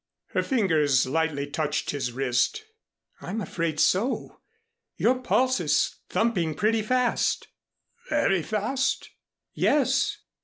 Her fingers lightly touched his wrist. "I'm afraid so. Your pulse is thumping pretty fast." "Very fast?" "Yes."